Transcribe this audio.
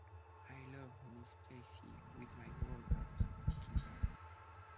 I love Miss Stacy with my whole heart, Kimberly.